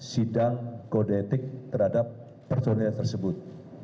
sidang kode etik terhadap personil tersebut